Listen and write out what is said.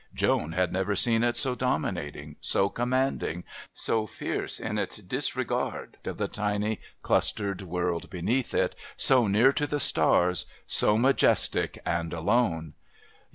Joan had never seen it so dominating, so commanding, so fierce in its disregard of the tiny clustered world beneath it, so near to the stars, so majestic and alone.